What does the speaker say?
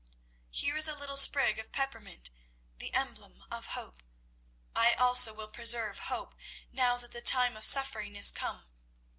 Here is a little sprig of peppermint, the emblem of hope. I also will preserve hope now that the time of suffering is come.